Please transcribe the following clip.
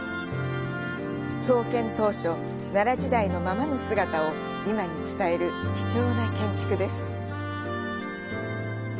創建当初、奈良時代のままの姿を今に伝える貴重な建築です。